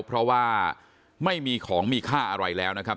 เพราะว่าไม่มีของมีค่าอะไรแล้วนะครับ